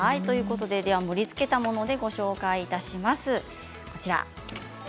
盛りつけたものでご紹介します。